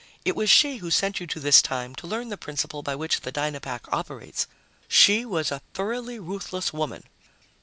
It was she who sent you to this time to learn the principle by which the Dynapack operates. She was a thoroughly ruthless woman."